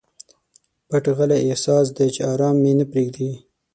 پټ غلی احساس دی چې ارام مي نه پریږدي.